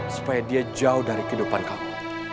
supaya dia jauh dari kehidupan kamu